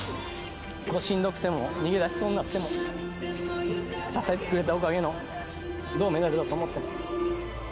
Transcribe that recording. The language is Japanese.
しんどくても逃げ出しそうになっても、支えてくれたおかげの銅メダルだと思ってます。